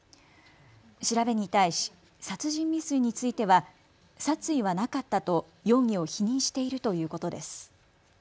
調べに対し殺人未遂については殺意はなかったと容疑を否認しているということです。